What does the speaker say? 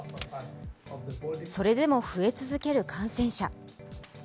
それでも増え続ける感染者。